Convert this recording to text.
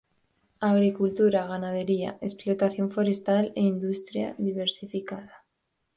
Agricultura, ganadería, explotación forestal e industria diversificada.